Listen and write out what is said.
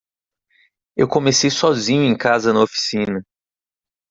Eu comecei sozinho em casa na oficina.